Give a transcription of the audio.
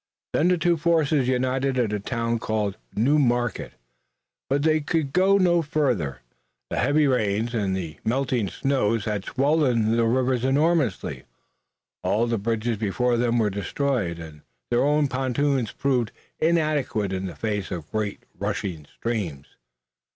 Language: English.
Then the two forces united at a town called New Market, but they could go no farther. The heavy rains and the melting snows had swollen the rivers enormously, all the bridges before them were destroyed, and their own pontoons proved inadequate in face of the great rushing streams.